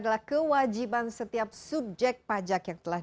terima kasih mbakupsya really cup trang ya pak